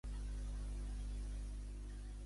La resta de la província pertany al bisbat de Guadix.